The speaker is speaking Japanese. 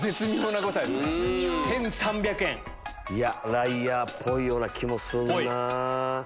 ライアーっぽいような気もするなぁ。